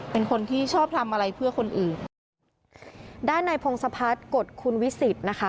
พรุ่งสภัทรกฏคุณวิสิตนะคะ